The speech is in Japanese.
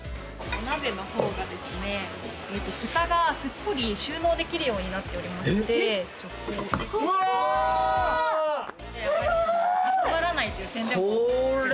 お鍋の方がですね、ふたがすっぽり収納できるようになっておりまして、かさばらないという点で。